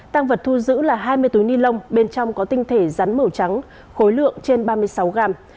tăng vật thu giữ là hai mươi túi ni lông bên trong có tinh thể rắn màu trắng khối lượng trên ba mươi sáu gram